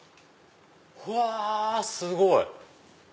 うわすごい！